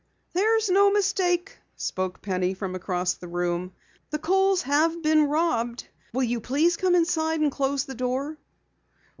"There's no mistake," spoke Penny from across the room. "The Kohls have been robbed. Will you please come inside and close the door?"